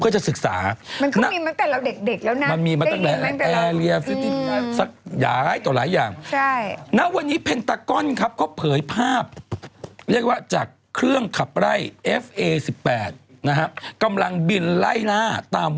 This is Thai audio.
จังหวัดพฤษภัณฑ์ศิริยา